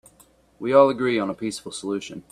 We all agree on a peaceful solution.